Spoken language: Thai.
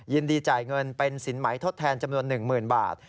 ยินดีจ่ายเงินเป็นสินไหมทดแทนจำนวน๑๐๐๐บาท